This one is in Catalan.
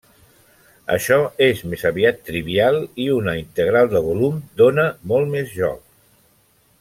Això és més aviat trivial, i una integral de volum dóna molt més joc.